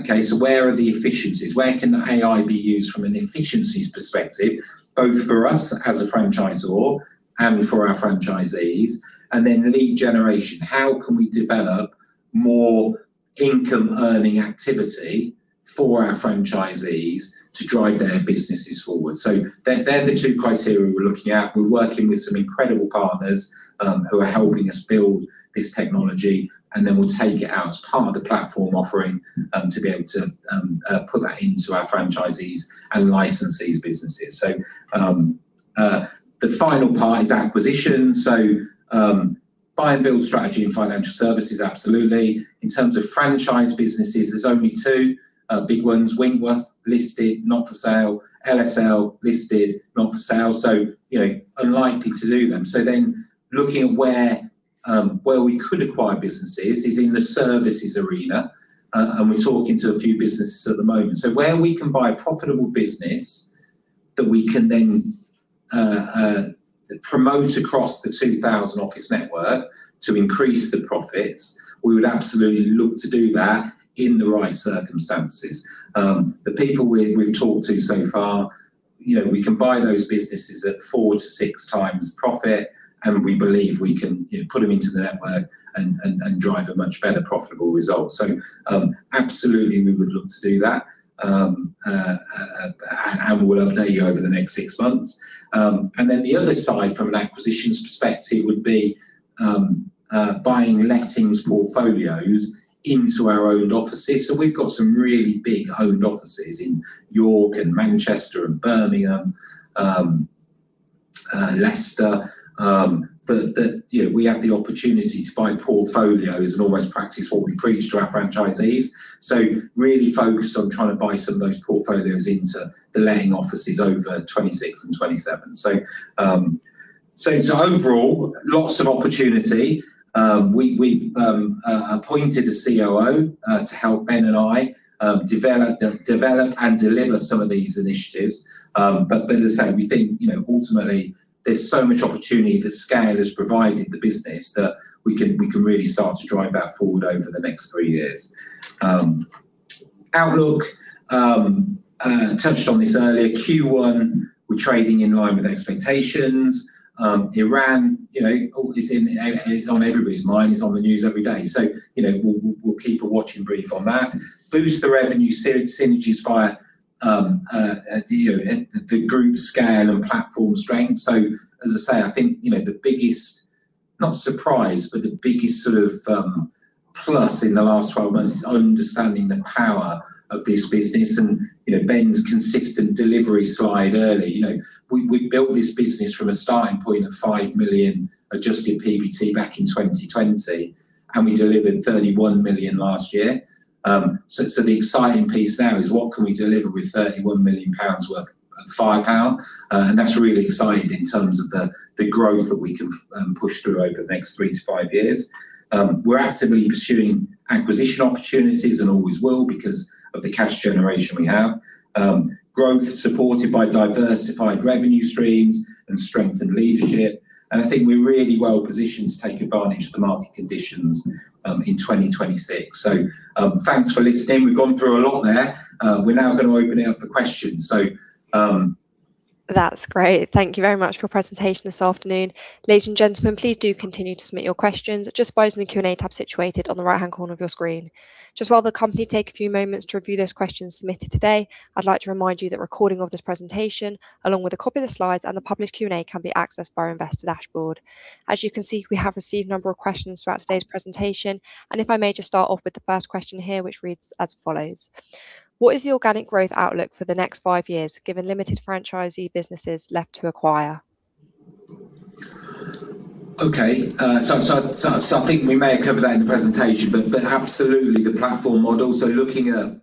Okay, where are the efficiencies? Where can AI be used from an efficiencies perspective, both for us as a franchisor and for our franchisees? Lead generation. How can we develop more income-earning activity for our franchisees to drive their businesses forward? They're the two criteria we're looking at. We're working with some incredible partners who are helping us build this technology, and then we'll take it out as part of the platform offering to be able to put that into our franchisees and licensees businesses. The final part is acquisition. Buy and build strategy in financial services, absolutely. In terms of franchise businesses, there's only two big ones. Winkworth, listed, not for sale. LSL, listed, not for sale. You know, unlikely to do them. Looking at where we could acquire businesses is in the services arena, and we're talking to a few businesses at the moment. Where we can buy a profitable business that we can then promote across the 2,000 office network to increase the profits, we would absolutely look to do that in the right circumstances. The people we've talked to so far, you know, we can buy those businesses at 4-6x profit, and we believe we can, you know, put them into the network and drive a much better profitable result. Absolutely, we would look to do that, and we will update you over the next six months. The other side from an acquisitions perspective would be buying lettings portfolios into our owned offices. We've got some really big owned offices in York and Manchester and Birmingham, Leicester, that you know, we have the opportunity to buy portfolios and always practice what we preach to our franchisees. Really focused on trying to buy some of those portfolios into the letting offices over 2026 and 2027. Overall, lots of opportunity. We've appointed a COO to help Ben and I develop and deliver some of these initiatives. As I say, we think you know, ultimately, there's so much opportunity the scale has provided the business that we can really start to drive that forward over the next three years. Outlook, touched on this earlier. Q1, we're trading in line with expectations. Iran, you know, is on everybody's mind, is on the news every day. You know, we'll keep a watching brief on that. Boost the revenue synergies via, you know, the group scale and platform strength. As I say, I think, you know, the biggest, not surprise, but the biggest sort of, plus in the last 12 months is understanding the power of this business and, you know, Ben's consistent delivery slide earlier. You know, we built this business from a starting point of 5 million adjusted PBT back in 2020, and we delivered 31 million last year. The exciting piece now is what can we deliver with 31 million pounds worth of firepower? That's really exciting in terms of the growth that we can push through over the next three to five years. We're actively pursuing acquisition opportunities and always will because of the cash generation we have. Growth supported by diversified revenue streams and strengthened leadership. I think we're really well-positioned to take advantage of the market conditions in 2026. Thanks for listening. We've gone through a lot there. We're now gonna open it up for questions. That's great. Thank you very much for your presentation this afternoon. Ladies and gentlemen, please do continue to submit your questions just by using the Q&A tab situated on the right-hand corner of your screen. Just while the company take a few moments to review those questions submitted today, I'd like to remind you that recording of this presentation along with a copy of the slides and the published Q&A can be accessed by our investor dashboard. As you can see, we have received a number of questions throughout today's presentation. If I may just start off with the first question here, which reads as follows: What is the organic growth outlook for the next five years, given limited franchisee businesses left to acquire? Okay. I think we may have covered that in the presentation, but absolutely the platform model. Looking at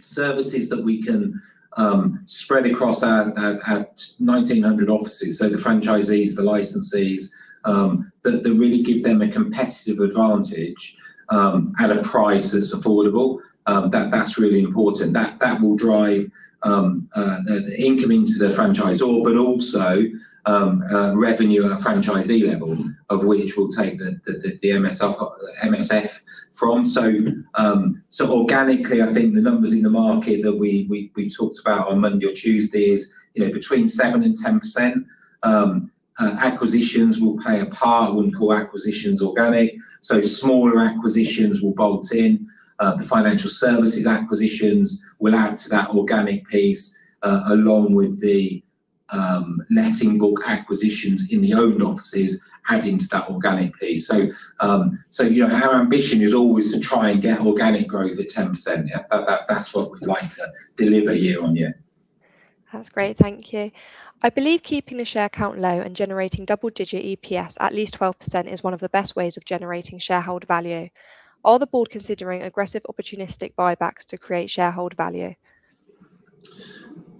services that we can spread across our 1,900 offices, so the franchisees, the licensees, that really give them a competitive advantage at a price that's affordable, that's really important. That will drive income into the franchisor but also revenue at a franchisee level, of which we'll take the MSF from. Organically, I think the numbers in the market that we talked about on Monday or Tuesday is, you know, between 7% and 10%. Acquisitions will play a part. I wouldn't call acquisitions organic. Smaller acquisitions will bolt in. The financial services acquisitions will add to that organic piece, along with the letting book acquisitions in the owned offices adding to that organic piece. You know, our ambition is always to try and get organic growth at 10%. Yeah, that's what we'd like to deliver here on you. That's great, thank you. I believe keeping the share count low and generating double-digit EPS, at least 12%, is one of the best ways of generating shareholder value. Are the board considering aggressive opportunistic buybacks to create shareholder value?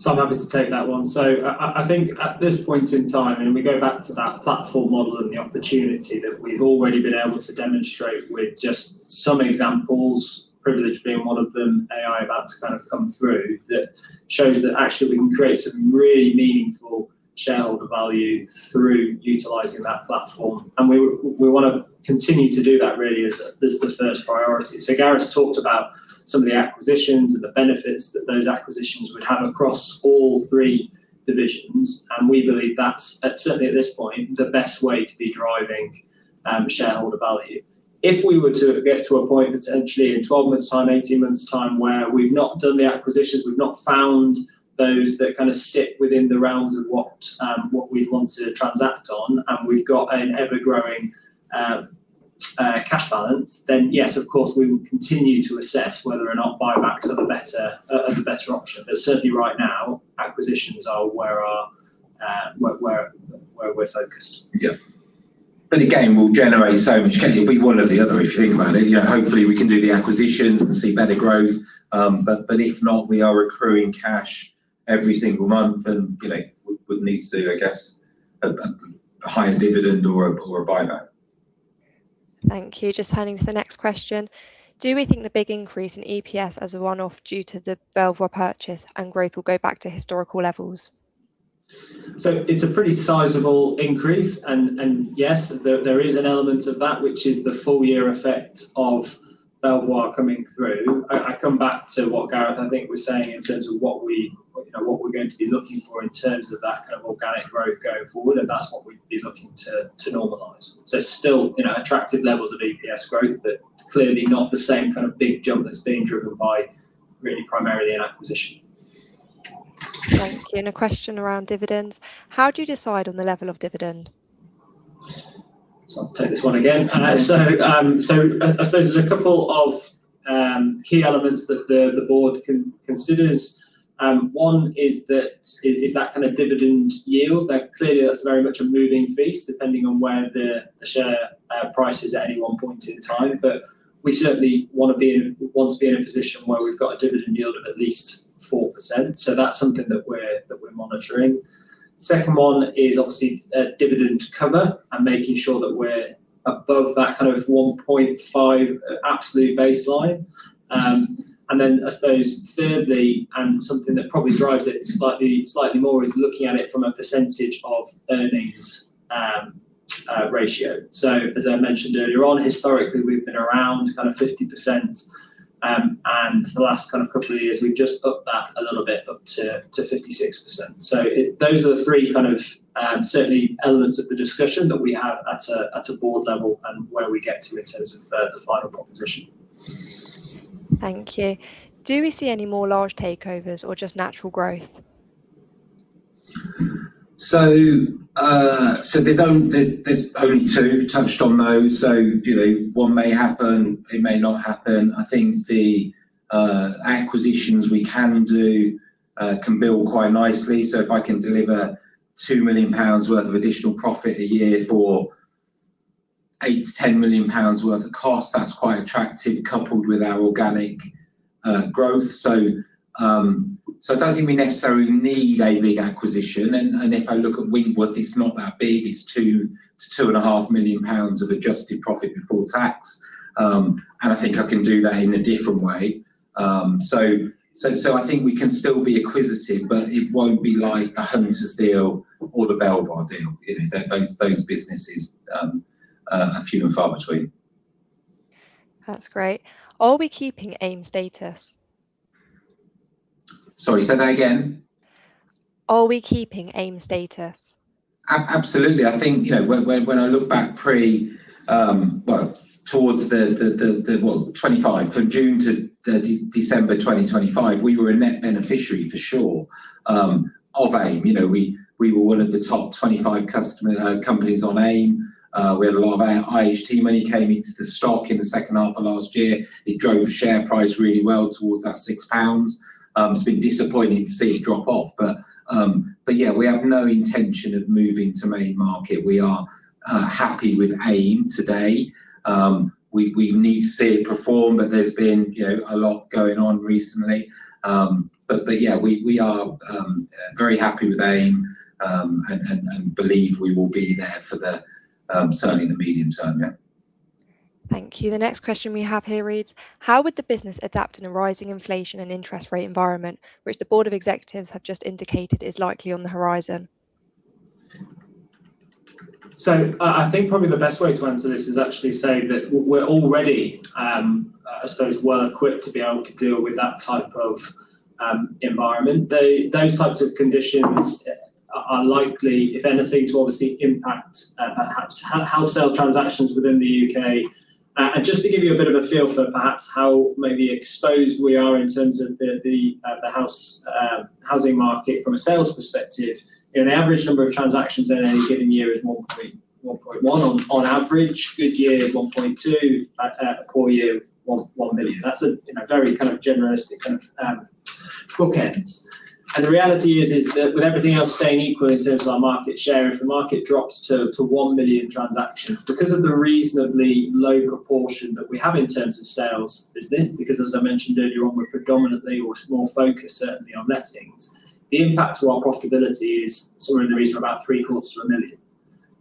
I'm happy to take that one. I think at this point in time, and we go back to that platform model and the opportunity that we've already been able to demonstrate with just some examples, Privilege being one of them, AI about to kind of come through, that shows that actually we can create some really meaningful shareholder value through utilizing that platform. We wanna continue to do that really as the first priority. Gareth's talked about some of the acquisitions and the benefits that those acquisitions would have across all three divisions, and we believe that's certainly at this point the best way to be driving shareholder value. If we were to get to a point potentially in 12 months' time, 18 months' time where we've not done the acquisitions, we've not found those that kind of sit within the realms of what we'd want to transact on, and we've got an ever-growing cash balance, then yes, of course, we will continue to assess whether or not buybacks are the better option. Certainly right now, acquisitions are where we're focused. Yeah. Again, we'll generate so much cash. It'll be one or the other if you think about it. You know, hopefully we can do the acquisitions and see better growth. But if not, we are accruing cash every single month and, you know, would need to, I guess, a higher dividend or a buyback. Thank you. Just turning to the next question. Do we think the big increase in EPS is a one-off due to the Belvoir purchase and growth, [and that it] will go back to historical levels? It's a pretty sizable increase and yes, there is an element of that which is the full year effect of Belvoir coming through. I come back to what Gareth I think was saying in terms of what we, you know, what we're going to be looking for in terms of that kind of organic growth going forward, and that's what we'd be looking to normalize. It's still, you know, attractive levels of EPS growth, but clearly not the same kind of big jump that's being driven by really primarily an acquisition. Thank you. A question around dividends. How do you decide on the level of dividend? I'll take this one again. I suppose there's a couple of key elements that the board considers. One is that kind of dividend yield, that clearly that's very much a moving feast depending on where the share price is at any one point in time. We certainly want to be in a position where we've got a dividend yield of at least 4%, so that's something that we're monitoring. Second one is obviously dividend cover and making sure that we're above that kind of 1.5 absolute baseline. Then I suppose thirdly, and something that probably drives it slightly more, is looking at it from a percentage of earnings ratio. As I mentioned earlier on, historically we've been around kind of 50%, and the last kind of couple of years we've just upped that a little bit up to 56%. Those are the three kind of certainly elements of the discussion that we have at a board level and where we get to in terms of the final proposition. Thank you. Do we see any more large takeovers or just natural growth? There's only two. We touched on those. You know, one may happen, it may not happen. I think the acquisitions we can do can build quite nicely. If I can deliver 2 million pounds worth of additional profit a year for 8 million-10 million pounds worth of cost, that's quite attractive coupled with our organic growth. I don't think we necessarily need a big acquisition. If I look at Winkworth, it's not that big. It's 2 million-2.5 million pounds of adjusted profit before tax. And I think I can do that in a different way. I think we can still be acquisitive, but it won't be like a Hunters deal or the Belvoir deal. You know, those businesses are few and far between. That's great. Are we keeping AIM status? Sorry, say that again. Are we keeping AIM status? Absolutely. I think, you know, when I look back pre-2025, from June to December 2025, we were a net beneficiary for sure of AIM. You know, we were one of the top 25 customer companies on AIM. We had a lot of IHT money came into the stock in the second half of last year. It drove the share price really well towards that 6 pounds. It's been disappointing to see it drop off but yeah, we have no intention of moving to Main Market. We are happy with AIM today. We need to see it perform, but there's been, you know, a lot going on recently. Yeah, we are very happy with AIM and believe we will be there certainly in the medium term. Thank you. The next question we have here reads: How would the business adapt in a rising inflation and interest rate environment, which the board of executives have just indicated is likely on the horizon? I think probably the best way to answer this is actually say that we're already, I suppose well equipped to be able to deal with that type of environment. Those types of conditions are likely, if anything, to obviously impact perhaps house sale transactions within the UK. Just to give you a bit of a feel for perhaps how maybe exposed we are in terms of the housing market from a sales perspective, you know, the average number of transactions in any given year is 1.1 million on average. Good year is 1.2 million. A poor year, 1 million. That's, you know, very kind of journalistic bookends. The reality is that with everything else staying equal in terms of our market share, if the market drops to 1 million transactions, because of the reasonably low proportion that we have in terms of sales business, because as I mentioned earlier on, we're predominantly or more focused certainly on lettings, the impact to our profitability is somewhere in the region of about 750 million.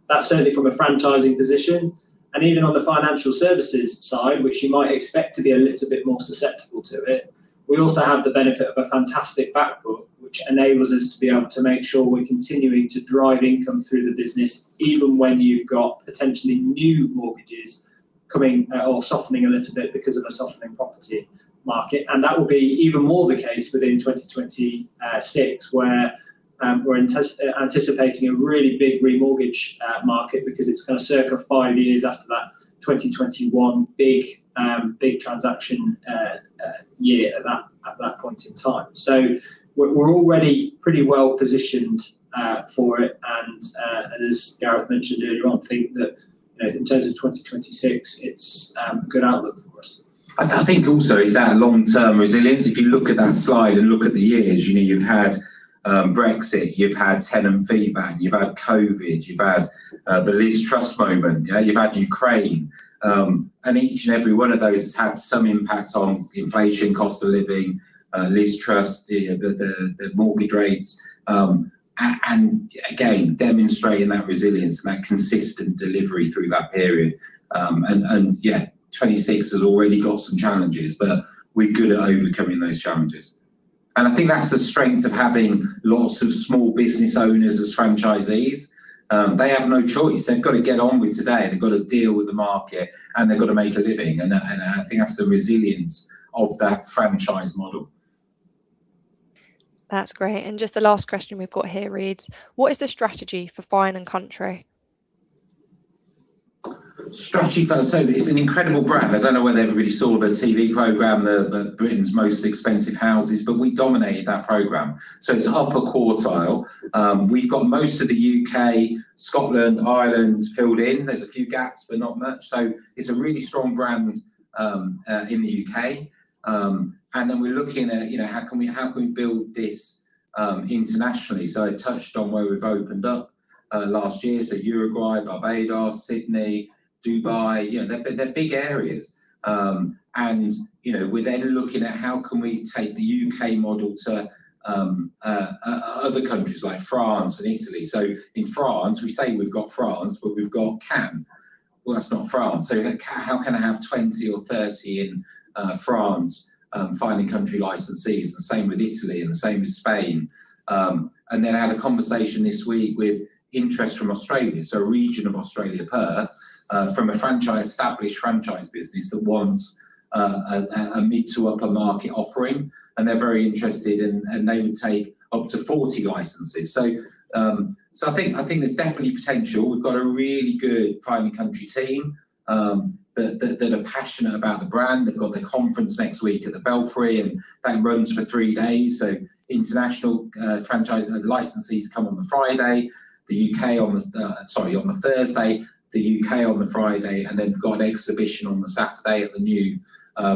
That's certainly from a franchising position. Even on the Financial Services side, which you might expect to be a little bit more susceptible to it, we also have the benefit of a fantastic back book, which enables us to be able to make sure we're continuing to drive income through the business, even when you've got potentially new mortgages coming or softening a little bit because of a softening property market. That will be even more the case within 2026, where we're anticipating a really big remortgage market because it's kind of circa five years after that 2021 big transaction year at that point in time. We're already pretty well positioned for it. As Gareth mentioned earlier on, think that in terms of 2026, it's a good outlook for us. I think also is that long-term resilience. If you look at that slide and look at the years, you know, you've had Brexit, you've had tenant fee ban, you've had COVID, you've had the Liz Truss moment, you know, you've had Ukraine. And each and every one of those has had some impact on inflation, cost of living, Liz Truss, the mortgage rates. And again, demonstrating that resilience and that consistent delivery through that period. And yeah, 2026 has already got some challenges, but we're good at overcoming those challenges. I think that's the strength of having lots of small business owners as franchisees. They have no choice. They've got to get on with today, they've got to deal with the market, and they've got to make a living. I think that's the resilience of that franchise model. That's great. Just the last question we've got here reads: what is the strategy for Fine & Country? It's an incredible brand. I don't know whether everybody saw the TV program, Britain's Most Expensive Houses, but we dominated that program. It's upper quartile. We've got most of the UK, Scotland, Ireland filled in. There's a few gaps, but not much. It's a really strong brand in the UK. We're looking at, you know, how can we build this internationally. I touched on where we've opened up last year, so Uruguay, Barbados, Sydney, Dubai, you know, they're big areas. You know, we're then looking at how can we take the UK model to other countries like France and Italy. In France, we say we've got France, but we've got Cannes. Well, that's not France. How can I have 20 or 30 in France, Fine & Country licensees? The same with Italy and the same with Spain. I had a conversation this week with interest from Australia, a region of Australia, Perth, from a franchise, established franchise business that wants a mid to upper market offering, and they're very interested. They would take up to 40 licenses. I think there's definitely potential. We've got a really good Fine & Country team that are passionate about the brand. They've got their conference next week at the Belfry, and that runs for three days. International franchise licensees come on the Friday. The UK on the Thursday. The UK on the Friday. They've got an exhibition on the Saturday at the new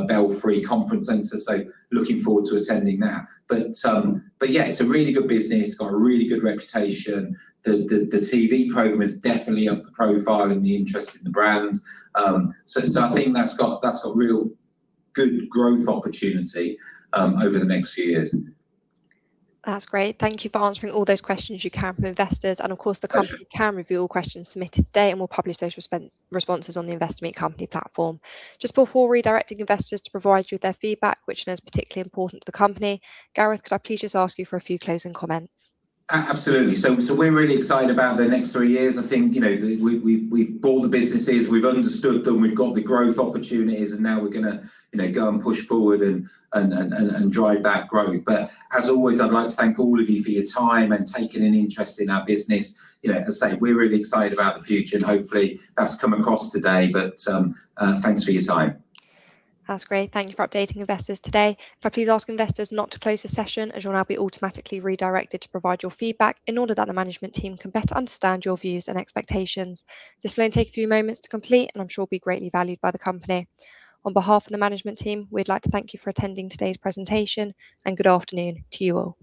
Belfry Conference Center, so looking forward to attending that. Yeah, it's a really good business. Got a really good reputation. The TV program has definitely upped the profile and the interest in the brand. So I think that's got real good growth opportunity over the next few years. That's great. Thank you for answering all those questions you can from investors. Pleasure. Of course, the company can review all questions submitted today, and we'll publish those responses on the Investor Meet Company platform. Just before redirecting investors to provide you with their feedback, which I know is particularly important to the company, Gareth, could I please just ask you for a few closing comments? Absolutely. We're really excited about the next three years. I think, you know, we've bought the businesses, we've understood them, we've got the growth opportunities, and now we're gonna, you know, go and push forward and drive that growth. As always, I'd like to thank all of you for your time and taking an interest in our business. You know, as I say, we're really excited about the future, and hopefully that's come across today. Thanks for your time. That's great. Thank you for updating investors today. Could I please ask investors not to close the session, as you'll now be automatically redirected to provide your feedback in order that the management team can better understand your views and expectations. This will only take a few moments to complete, and I'm sure will be greatly valued by the company. On behalf of the management team, we'd like to thank you for attending today's presentation, and good afternoon to you all.